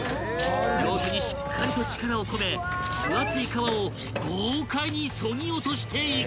［両手にしっかりと力を込め分厚い皮を豪快にそぎ落としていく］